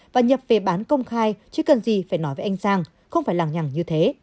và nhập về bán công khai chứ cần gì phải nói với anh sang không phải làng nhằn như thế